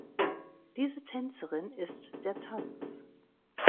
Diese Tänzerin ist der Tanz.